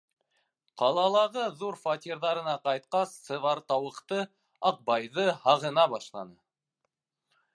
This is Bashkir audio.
Ҡалалағы ҙур фатирҙарына ҡайтҡас сыбар тауыҡты, Аҡбайҙы һағына башланы.